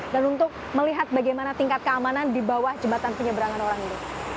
dan untuk melihat bagaimana tingkat keamanan di bawah jembatan penyeberangan orang ini